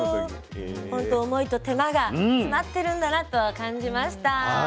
ほんと思いと手間が詰まってるんだなと感じました。